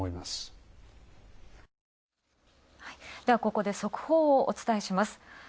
では、ここで速報をお伝えします。